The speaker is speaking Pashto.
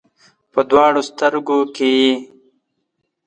په دواړو سترګو کې یې